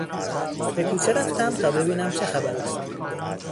به کوچه رفتم تا ببینم چه خبر است.